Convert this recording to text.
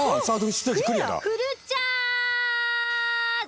フルチャージ！